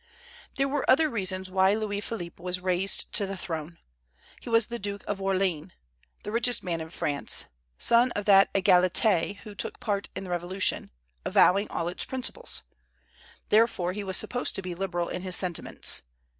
There were other reasons why Louis Philippe was raised to the throne. He was Duke of Orléans, the richest man in France, son of that Égalité who took part in the revolution, avowing all its principles; therefore he was supposed to be liberal in his sentiments.